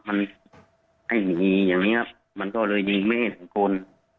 มันได้ยินอย่างนี้ครับมันก็เลยยิงแม่ตะโกน